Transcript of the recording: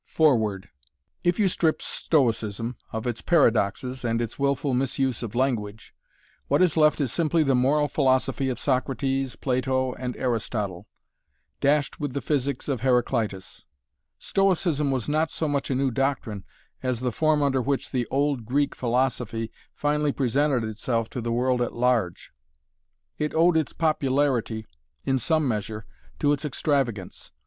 FOREWORD If you strip Stoicism of its paradoxes and its wilful misuse of language, what is left is simply the moral philosophy of Socrates, Plato and Aristotle, dashed with the physics of Heraclitus. Stoicism was not so much a new doctrine as the form under which the old Greek philosophy finally presented itself to the world at large. It owed its popularity in some measure to its extravagance.